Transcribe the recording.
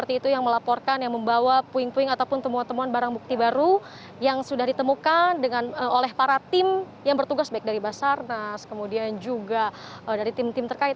seperti itu yang melaporkan yang membawa puing puing ataupun temuan temuan barang bukti baru yang sudah ditemukan oleh para tim yang bertugas baik dari basarnas kemudian juga dari tim tim terkait